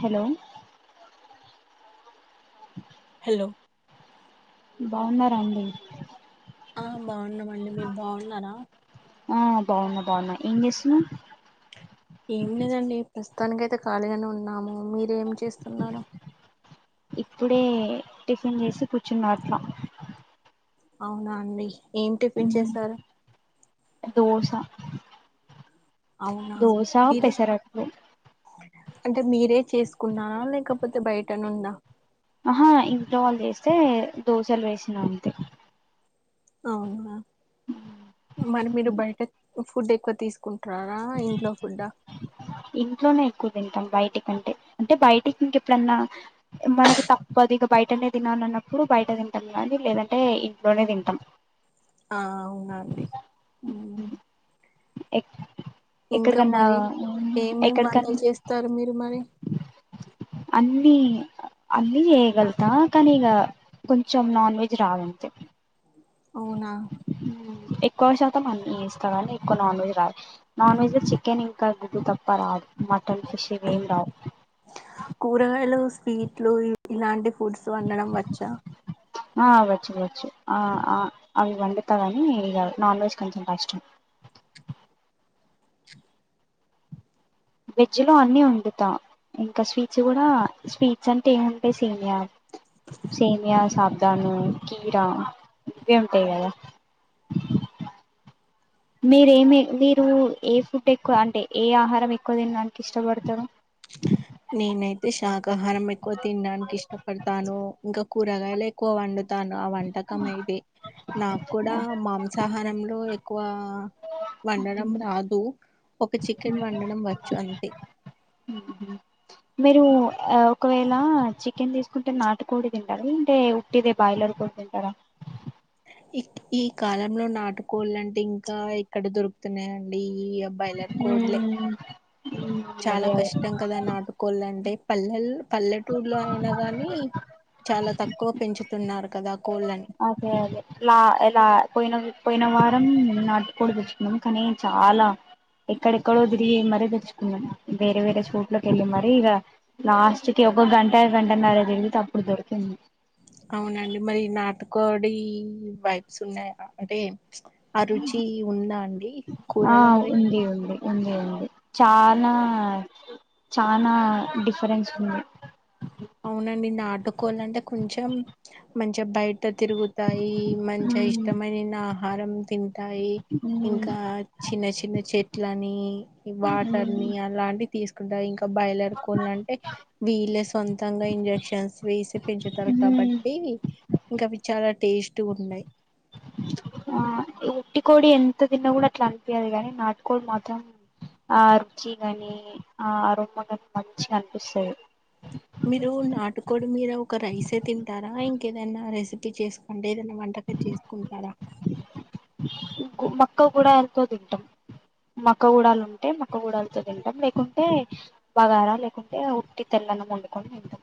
Hello hello బావున్నారా అండి ఆ బాగున్నాం అండి మీరు బావున్నారా ఆ బాగున్నా బాగున్నా ఏం చేస్తున్నావ్ ఏం లేదండి ప్రస్తుతానికైతే ఖాళీగానే ఉన్నాము మీరు ఏమి చేస్తున్నారు ఇప్పుడే టిఫిన్ చేసి కూర్చున్నా అట్లా అవునా అండి ఏం టిఫిన్ చేసారు దోస అవునా దోస మీరే పెసరట్లు అంటే మీరే చేసుకున్నారా లేకపోతే బయటనుండా ఆహా ఇంట్లో వాళ్ళు చేస్తే దోషాలు వేసిన అంతే అవునా మరి మీరు బయట ఫుడ్ ఎక్కువ తీసుకుంటున్నారా ఇంట్లో ఫుడ్డా ఇంట్లోనే ఎక్కువ తింటాం బయటికంటే అంటే బయటికి ఇంకెప్పుడన్నా మనకి తప్పదు ఇక బయటనే తినలన్నప్పుడు బయట తింటాం కానీ లేదంటే ఇంట్లోనే తింటాం ఆ అవునండి ఎ ఇంకా ఎక్కడికన్నా మరి ఏమేం వంటలు ఎక్కడికన్నా చేస్తారు మీరు మరి అన్ని అన్నీ యేగలుతా కానీ ఇక కొంచెం నాన్ వెజ్ రావంతే అవునా ఎక్కువ శాతం అట్లా చేస్తాం కానీ ఎక్కువ నాన్ వెజ్ రాదు నాన్ వెెజ్ లో చికెన్ గుడ్డు తప్ప ఇంకా ఇదు తప్ప రాదు మటన్ ఫిష్ ఇవేం రావు కూరగాయలు స్వీట్లు ఇలాంటి ఫుడ్స్ వండడం వచ్చా ఆ అవ్వచ్చు వచ్చు ఆ అవి వండుతా కానీ ఇ నాన్ వెజ్ కొంచెం కష్టం వెజ్ లో అన్నీ వండుతా ఇంకా స్వీట్స్ కూడా స్వీట్స్ అంటే ఏమంటాయి సేమియా సేమియా సావధాను కీరా ఇవే ఉంటాయి కదా మీరేమి మీరు ఏ ఫుడ్ ఎక్కువ అంటే ఏ ఆహారం ఎక్కువ తినడానికి ఇష్టపడతారు నేనైతే శాకాహారం ఎక్కువ తినడానికి ఇష్టపడతాను ఇంకా కు కూరగాయలు ఎక్కువ వండుతాను ఆ వంటకం అది నాకు కూడా మాంసాహారం లో ఎక్కువ వండడం రాదు ఒక చికెన్ మండడం వచ్చు అంతే మీరు ఒకవేళ చికెన్ తీసుకుంటే నాటుకోడి తింటారా అంటే ఉట్టిదే బాయిలర్ కోడి తింటారా ఈ కాలంలో నాటుకోళ్ళ అంటే ఇంకా ఎక్కడ దొరుకుతున్నాయండి ఈ బ్రాయిలర్ కోళ్లే చాలా అదే అదే కష్టం కదా నాటుకోళ్ళంటే పల్లెలు పల్లెటూరులో అయినా గాని చాలా తక్కువ పెంచుతున్నారు కదా కోళ్ళని అదే అదే లాలా పోయిన పోయిన వారంే నాటుకో తెచ్చుకున్నాం కానీ చాలా ఎక్కడెక్కడోదిరిగి మరీ తెలుచుకుందన్నాం వేరే వేరే చూట్ లోకి వెళ్ళి మర ఇక లాస్ట్ క ఒక గంట గంట నగ తిరిగితే అప్పుడు దొరికింది అవునండి మరి నాటకోడి వైబ్స్ ఉన్నాయా అంటే అరుచి ఉందా అండి ఆ కూరలో మరి ఉంది ఉంది ఉంది ఉంది చాలా చనా డిఫరెన్స్ ఉంది అవునండి నాటుకోవాలంటే కొంచెం మంచిగా బయట ట్ట తిరుగుతాయి మంచిగా ఉమ్ ఇష్టమైన ఆహారం తి ాయి ఉమ్ ఇంకా చిన్న చిన్న చెట్లని వాటర్ ని అలాంటి తీసు ఇంకా బయలర కో అంటే వీళ్ళ సొంతంగా ఇంజెక్షన్స్ వేసి పెంచుతారు కాబట్టి ఇంకా అవి చాలా టేస్ట్ ఉన్నాయి ఆ ఉట్టి కోడి ఎంత తిన్నా కూడా అట్లా అనిపియదు కాగాని నాటుకోడి మాత్రం ఆ అ రచి గాని ఆ అరుము మంచిగా అనిపిస్తాయి మీరు నాటుకోడి మీద ఒక రైసే తింటారా ఇంకేదైనా రెసిపీ చేసుకోంటే ఏదైనా వంటక చేసుకుంటడా మక్క కూడా ఎంతో తింటాం మక్క గూడాలు ఉంటే మొక్క గూడాలతో తింటాం లేకుంటే బగారా లేకుంటే ఉట్టి తెల్ల అన్నం వండుకొని తింటాం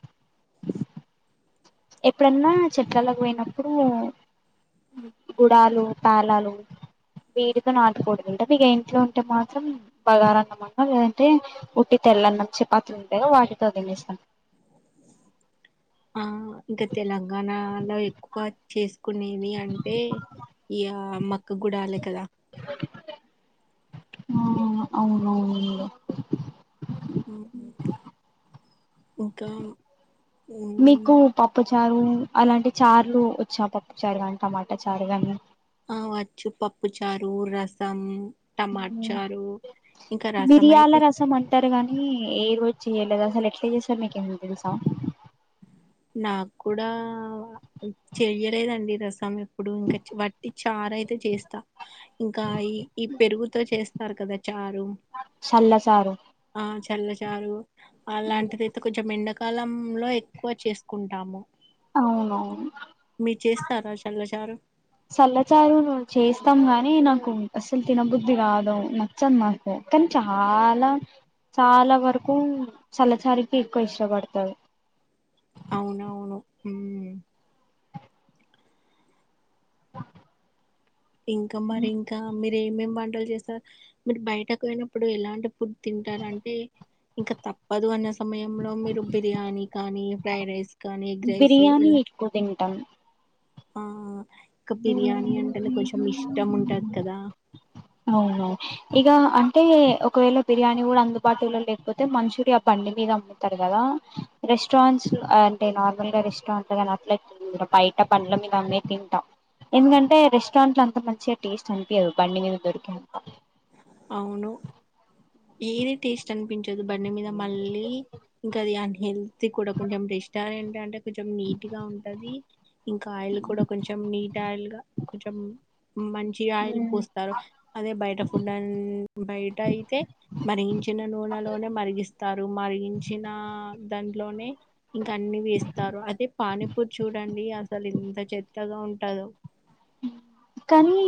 ఎప్పుడన్నా చెట్ాల పోయినప్పుడు గుడాలు పేలాలు వీడితో నాటుకూడదుంటా ఇక ఇంట్లో ఉంటే మాత్రం బగారన్న అన్న లేదంటే ఉట్టితో తెల్ల అన్నం చపాతి ఉంటది కదా వాటితోటి తినేస్తాం ఆ ఇంకా తెలంగాణలో ఎక్కువ చేసుకునేది అంటే ఇయా మక్క గుడాలి కదా ఆ అవునవును ఇంకా మీకు పప్పు చారు అలాంటి చారులు వచ్చా పప్పు చారు కానీ టమాటా చారు కాని ఆ వచ్చు పప్పు చారు రసం టమాట చారు ఇంకా రసం మిరియాల అయితే రసం అంటారు గానీ ఏ రోజు చెయలేదుా అసలు ఎట్లా చేస్తారు మీకే మన్న తెలుసా నాకు కూడా చెయ్యలేదండి రసం ఎప్పుడు ఇంకా వట్టి చారా అయితే చేస్తా ఇంకా ఈ ఈ పెరుగుతో చేస్తారు కదా చారు చల్లచారు ఆ చల్ల చారు అలాంటిదియితే కొంచెం ఎండ కలంలో ఎక్కువ చేసుకుంటాము అవునవును మీ చేస్తారా చల్లగా సల్లచారు చేస్తాం గానీ అనీ నాకు అసలు తినబుద్ధి కాదు. నచ్చదు నాకు కానీ చాలా చాలా వరకు చల్లచారుకి ఎక్కువ ఇష్టపడతారు. అవునవును. [inaudible] ఇంకా మరి ఇంకా మీర్ మీరు ఏమేం వంటలు చేస్తారు? మీరు బయటకు ఓయినప్పుడు ఎలాంటి ఫుడ్ తింటారంటే ఇంకా తప్పదు అన్న స సమయంలో మీరు బిర్యానీ కానీ ఫ్రైడ్ రైస్ కానీ ఎగ్ రైస్ బిర్యానీ ఇలా ఎక్కువ తింటాం ఆ ఇంకా బిర్యానీ అంటేనే కొంచెం ఇష్టం ఉంటది కదా! అవును ఇగ అ అయితే ఒకవేళ బిర్యానీ కూడా అందుబాటులో లేకపోతే మంచూరియా బండి మీద అమ్ముతారు కదా! రెస్టారెంట్స్ అంటే నార్మల్ గా రెస్టారెంట్ కానీ అట్లా [unintelligible] బయట బండ్ల మీద నే తింటాం. ఎందుకంటే రెస్టారెంట్ లో అంతా మంచిగా టేస్ట్ అనిపియదు బండి మీ దొరికి అంత అవును ఏది టేస్ట్ అనిపించదు బండి మీద మళ్ళీ ఇంకా అది అన్ హెల్తి కూడా కొంచెం రెస్టారెంట్ అంటే కొంచెం నీట్గా ఉంటది. ఇంకా ఆయిల్ కూడా కొంచెం నీట్ ఆయిల్ గా కొంచెం మంచిగా ఆయిల్ పూస్తారు. అదే బయట ఫుడ్ అన్ [inaudible] బయట అయితే మరిగించిన నూనెలోనే మరిగిస్తారు మరిగించిన దాంట్లోనే ఇంకా అన్ని వేస్తారు. అదే పానీపూరీ చూడండి అసలు ఇంత చెత్ చత్తగా ఉంటదు. కానీ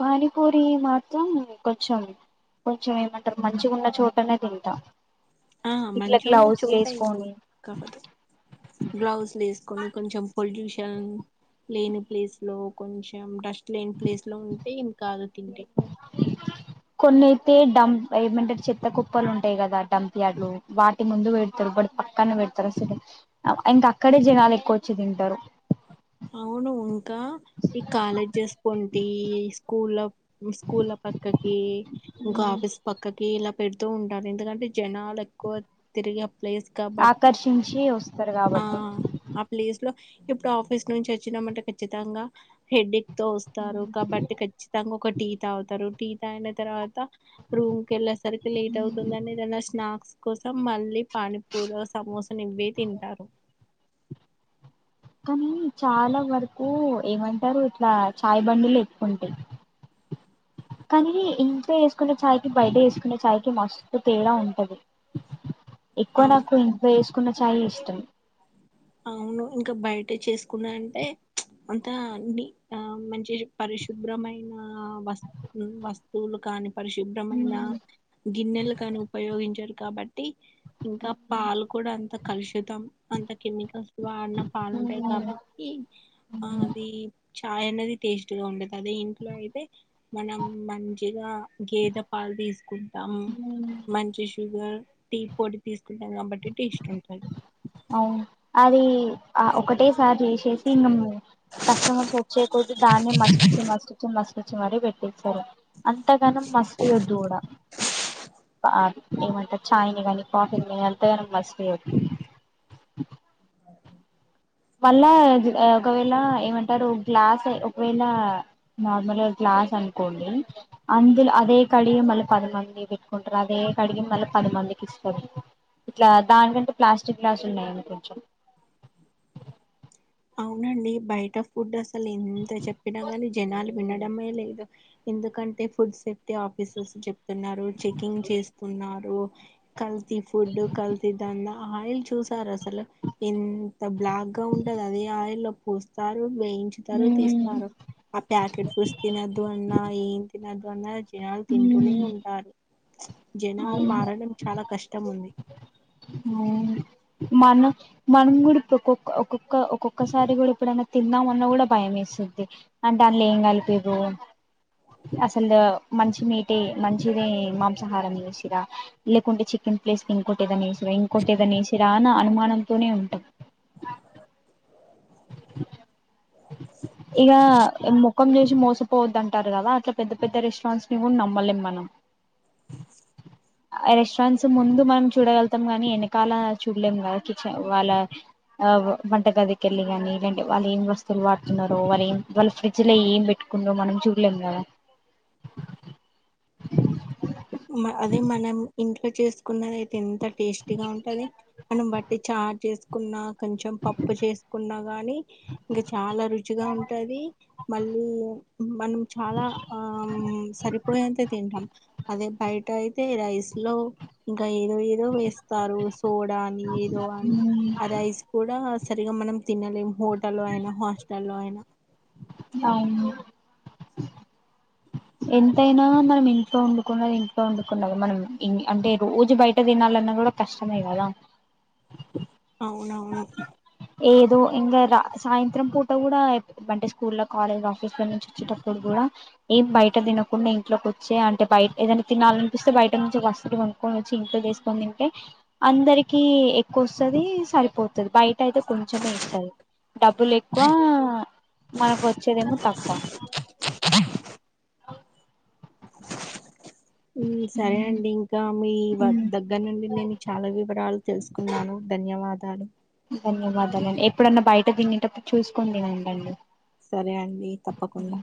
పానీపూరి మాత్రం కొంచెం కొంచెం ఏమంటారు మంచిగా ఉన్న చోటనే తింటా ఆ ఇట్లా మంచుకున్న గ్లౌజులు చోట ఏం వేసుకొని కాదు. గ్లౌస్ లు వేసుకొని కొంచెం పొల్యూషన్ లేని ప్లేస్ లో కొంచెం డస్ట్ లేని ప్లేస్ లో ఉంటే ఏం కాదు తింటే కొన్ని అయితే డంప్ ఏమంటారు చెత్త కుప్పలు ఉంటాయి కదా డంప్ యాడ్లు వాటి ముందు పెడతారు వాటి పక్కన పెడతారు. అసలు ఇంకా అక్కడే జనాలు ఎక్కువ వచ్చి తింటారు. అవును ఇంకా ఈ కాలేజెస్ పొంటి స్కూళ్ల స్కూళ్ల పక్కకి ఇంకా, ఆఫీస్ పక్కకి ఇలా పెడుతూ ఉంటారు ఎందుకంటే జనాలు ఎక్కువ తిరిగే ప్లేస్ కాబట్టి ఆకర్షించి వస్తారు ఆ కాబట్టి ఆ ప్లేస్ లో ఇప్పుడు ఆఫీస్ నుంచి వచ్చినమంట ఖచ్చితంగా హెడేక్ తో వస్తారు కాబట్టి ఖచ్చితంగా ఒక టీ తాగుతారు టీ తాగిన తర్వాత రూమ్ కి వెళ్ళేసరికి లేట్ అవుతుందిని ఏదన్నా స్నాక్స్ కోసం మళ్ళీ పానీపూరో, సమోసను ఇవ్వే తింటారు. కానీ చాలా వరకు ఏమంటారు. ఇట్లా చాయ్ బండిలు ఎక్కువుంటాయి. కానీ ఇంట్ల ఎసుకున్న చాయ్ కీ బయట ఎసుకున్న చాయ్ కి మస్తు తేడా ఉంటది. ఎక్కువ అవు నాకు ఇంకా ఏసుకున్న చాయ్ ఇష్టం. అవును ఇంకా బయట చేసుకున్నా అంటే అంతా డి ఆ మంచి పరిశుభ్రమైన వ వస్తువులు కాని పరిశుభ్రమైన గిన్నెలు కానీ ఉపయోగించరు కాబట్టి ఇంకా పాలు కూడా అంత కలుషితాం అంత ఇంట్ల వాడిన ఉ పాలుంటాయి కాబట్టి ఆ అది చాయ్ అనేది టేస్ట్ గా ఉండద్ అదే ఇంట్లో అయితే మనం మంచిగా గేద పాలు తీసుకుంటాం ఉ ఉ మంచి షుగర్ టీ పొడి తీసుకుంటాం కాబట్టి టేస్ట్ ఉంటది అవును అది ఒకటే సారి చేసేసి ఇంగ కస్టమర్స్ ఓచ్చే కొద్ది దాన్ని మచకచ్చి మస్తుచ్చి మస్తుకచ్చి మరీ పెట్టి సరే అంతగానం మస్తుయద్దుడా ఆ ఏమంటే చాయినీ కానీ కాఫీని అంతగణం మస్ పోవదు వళ్ల్ళ ఒకవేళ ఏమంటారు గ్లాస్ ఒకవేళ నార్మల్ గ్లా గ్లాస్ అనుకోండి అందులో అదే కడిగి మళ్ళ పదిమంది పెట్టుకుంటారు అదే కడి మళ్ళ ప మందికి ఇస్తారు ఇట్లా దానికంటే ప్లాస్టిక్ గ్లాస్ నయం కొంచెం అవునండి బయట ఫుడ్ అసలు ఎంత చెప్పినా కాని జనాలు వినడమే లేదు ఎందుకంటే ఫుడ్ సేఫ్టీ ఆఫీసర్స్ చెప్తున్నారు చెకింగ్ చేస్తున్నారు కల్తీ ఫుడ్ కల్తీ దంద ఆయిల్ చూసారు అసలు ఎంత బ్లాక్ గా ఉం ఉంటదది ఆ ఆయిల్ లో పోస్తారు వేయించుతారు ఉమ్ తీస్తారు ఆ ప్యాకెట్ ఫుస్ తినద్దు అన్నా ఏం తినద్దు అన్న జనాలు తింటునే ఉమ్ ఉంటారు జనం అవును మారడం చాలా కష్టం ఉంది అవును మన మనం కూడా ఇప్పుడు ఒక్కొక్క ఒక్కొక్క ఒక్కొక్కసారి కూడా ఇప్పుడైనా తిందామ అన్న కూడా భయం వేస్ తుంది అంటే అందులో ఏం కలిపిర్రో అసలు మంచి మీటి మంచిది మాంసాహారం చేసిరా లేకుంటే చకే ప్లేస్లో ఇంకోటి ఏదైనా వేస్సిర్ర ఇంకోటి ఏదనేసిరా అని అనుమానంతోనే ఉంటాం ఇగ ముఖం చేసి మోసపోవద్దటారు కదా అట్లా పెద్ద పెద్ద రెస్టారెంట్స్ ని కూడా నమ్మలేం మనం రెస్టారెంట్స్ ముందు మనం చూడగలతాం గానీ వెనకాల చూడలేం కదా కిచన్ వాళ ఆ వ వంటగది కేళ్లి కానినీ ఇంటి వాళ్ళు ఏం వస్తువులు వాడుతున్నో వాళ్ళు ఏం వాళ్ళ ఫ్రిడ్జ్ లో ఏం పెట్టుకున్నో మనం చూడలేం కదా ట్ చేసుకున్నది అయితే ఎంత టేస్టీగా ఉంటది మనం బట్టి చార్ చేసుకున్నా కొంచెం పప్పు చేసుకున్నా గాని ఇంకా చాలా రుచిగా ఉంటది మళ్ళీ మనం చాలా ఆ సరిపోయంతే తింటాం అదే బయట అయితే రైస్ లో ఇకా ఏదో ఏదో వేస్తారు సోడా అని ఏదో అని ఆ రైస్ కూడా సరిగా మనం తినలేము హోటల్లో అయినా హాస్టల్లో అయినా అవున ఎంతైనా మనం ఇంట్లో వండుకన్నది ఇంట్లో వండుకున్నదే మనం అంటే రోజు బయట తినాల అన్న కూడా కష్టమే కదా అవునవును ఏదో ఇంకా రా సాయంత్రం పూట కూడా అంటే స్కూల్ కాలేజ్ ఆఫీస్ లో నుంచి వచ్చేటప్పుడు కూడా ఏం బయట తినకుండా ఇంట్లోకి వచ్చే అంటే బయట ఏదైనా తినాలనిపిస్తే బయట నుంచి వస్తులు కొనుకొని చి ఇంట్లో చేసుకొనితింటే అందరికి ఎక్కువ వస్తుంది సరిపోతది బయ్ అయితే కొంచమే ఇస్తరూ డబ్బులు ఎక్కువ మనకు వచ్చేదేమో తక్కువ సరే అండి ఇంకా మీ ఉ దగ్గర నుండి నేను చాలా వివరాలు తెలుసుకున్నాను ధన్యవాదాలు ధన్యవాదాలండీ ఎప్పుడన్నా బయట తిినేటప్పుడు చూసుకునీ తినండి సరే అండి తప్పకుండా